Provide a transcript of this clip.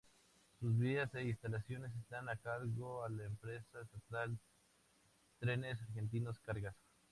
Sus vías e instalaciones están a cargo a la empresa estatal Trenes Argentinos Cargas.